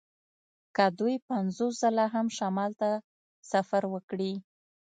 که دوی پنځوس ځله هم شمال ته سفر وکړي